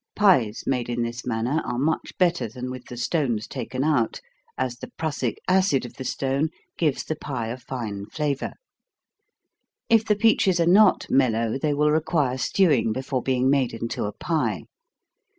Pies made in this manner are much better than with the stones taken out, as the prussic acid of the stone gives the pie a fine flavor. If the peaches are not mellow, they will require stewing before being made into a pie.